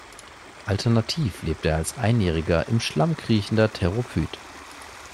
Alternativ lebt er als einjähriger, im Schlamm kriechender Therophyt.